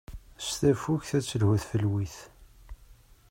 S tafukt ad telhu tfelwit.